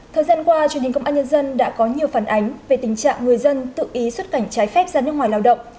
thời gian qua truyền hình công an nhân dân đã có nhiều phản ánh về tình trạng người dân tự ý xuất cảnh trái phép ra nước ngoài lao động